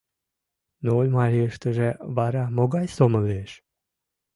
— Нольмарийыштыже вара могай сомыл лиеш?